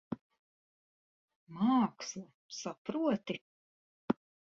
Māksla. Saproti?